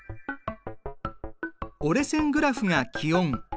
折れ線グラフが気温。